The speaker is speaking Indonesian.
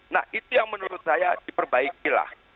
nah itu yang menurut saya diperbaikilah